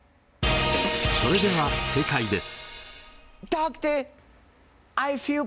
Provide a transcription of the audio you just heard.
それでは正解です。